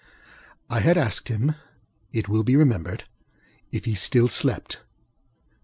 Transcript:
I had asked him, it will be remembered, if he still slept.